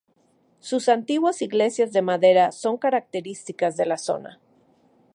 Su antiguas iglesias de madera son características de la zona.